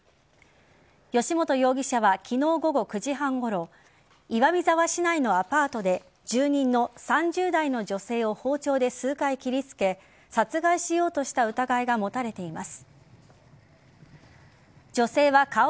吉元容疑者は昨日午後９時半ごろ岩見沢市内のパートで住人の３０代の女性を包丁で数回切りつけ殺害しようとした疑いが持たれています。